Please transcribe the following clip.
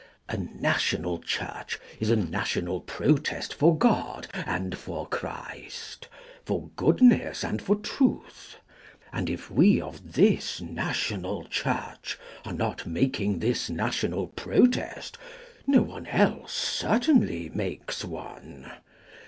A National Church is a national protest for God and for Christ, for goodness and for truth; and if we of this National Church are not making this national protest, no one else certainly makes one.